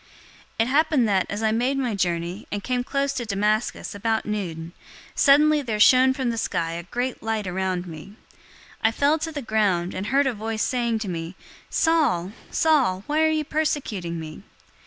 022:006 It happened that, as I made my journey, and came close to Damascus, about noon, suddenly there shone from the sky a great light around me. 022:007 I fell to the ground, and heard a voice saying to me, 'Saul, Saul, why are you persecuting me?'